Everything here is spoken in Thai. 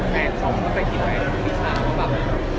มันต้องไปคิดว่ามันเป็นเรื่องจริงอะไรอย่างเงี้ย